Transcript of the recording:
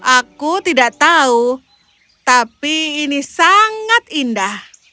aku tidak tahu tapi ini sangat indah